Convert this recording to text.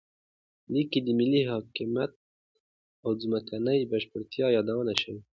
لیک کې د ملي حاکمیت او ځمکنۍ بشپړتیا یادونه شوې.